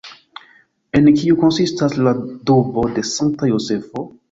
En kiu konsistas ‘’’la dubo de Sankta Jozefo’’’?